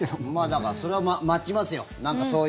だからそれは待ちますよ。